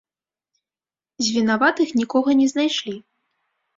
З вінаватых нікога не знайшлі.